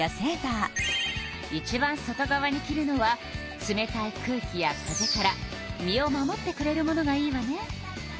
いちばん外側に着るのは冷たい空気や風から身を守ってくれるものがいいわね。